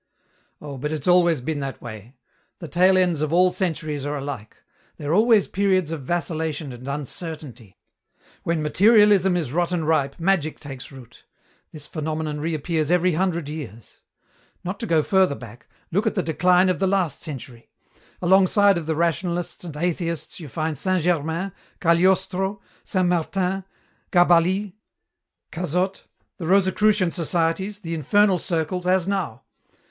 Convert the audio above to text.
"Oh, but it's always been that way. The tail ends of all centuries are alike. They're always periods of vacillation and uncertainty. When materialism is rotten ripe magic takes root. This phenomenon reappears every hundred years. Not to go further back, look at the decline of the last century. Alongside of the rationalists and atheists you find Saint Germain, Cagliostro, Saint Martin, Gabalis, Cazotte, the Rosicrucian societies, the infernal circles, as now.